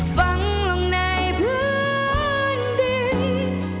ฟังลงในพื้นดิน